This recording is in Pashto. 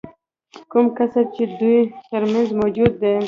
کوم کسر چې د دوی ترمنځ موجود دی